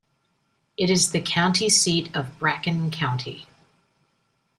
It is the county seat of Bracken County.